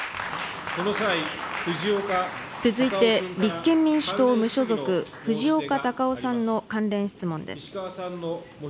続いて立憲民主党・無所属、藤岡隆雄さんの関連質問です。